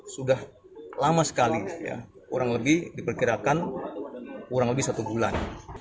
sudah lama sekali kurang lebih diperkirakan kurang lebih satu bulan